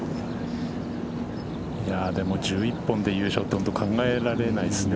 でも１１本で優勝は本当に考えられないですね。